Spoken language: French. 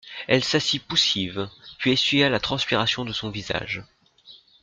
Elle s'assit poussive, puis essuya la transpiration de son visage.